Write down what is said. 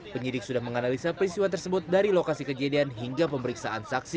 penyidik sudah menganalisa peristiwa tersebut dari lokasi kejadian hingga pemeriksaan saksi